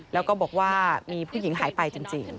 แล้วก็บอกว่ามีผู้หญิงหายไปจริง